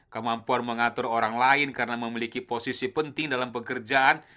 kemampuan mengatur orang lain karena memiliki posisi penting dalam pekerjaan